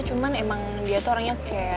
cuman emang dia tuh orangnya kayak